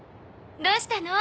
どうしたの？